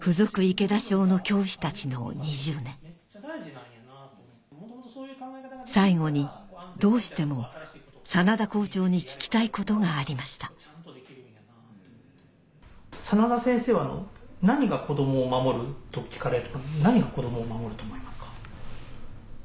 池田小の教師たちの２０年最後にどうしても眞田校長に聞きたいことがありました眞田先生は何が子どもを守ると聞かれたら何が子どもを守ると思いますか？